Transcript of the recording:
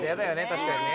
確かにね。